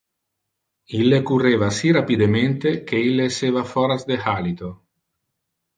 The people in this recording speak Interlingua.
Ille curreva si rapidemente que ille esseva foras de halito.